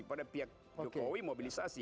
pada pihak jokowi mobilisasi